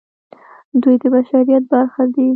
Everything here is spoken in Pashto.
دوی د بشریت برخه دي.